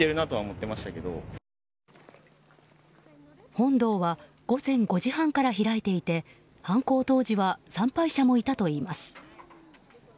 本堂は午前５時半から開いていて犯行当時は参拝者もいたといいます。